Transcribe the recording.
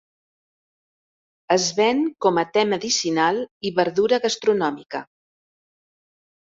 Es ven com a te medicinal i verdura gastronòmica.